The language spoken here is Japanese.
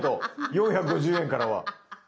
４５０円からは。